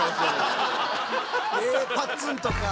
パッツンとか。